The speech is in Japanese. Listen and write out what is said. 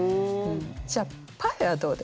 じゃあ「パフェ」はどうですか？